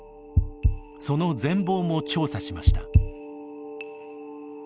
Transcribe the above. その全貌も調査しました。